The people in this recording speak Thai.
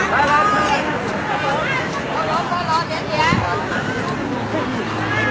เฮ้ยเฮ้ยเฮ้ยเฮ้ย